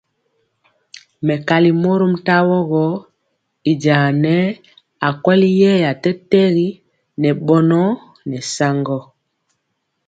Mɛkali mɔrom tawo gɔ, y jaŋa nɛɛ akweli yeeya tɛtɛgi ŋɛ bɔnɔ nɛ saŋgɔ.